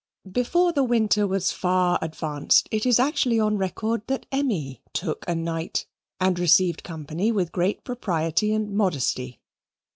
Before the winter was far advanced, it is actually on record that Emmy took a night and received company with great propriety and modesty.